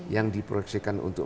yang diproyeksikan untuk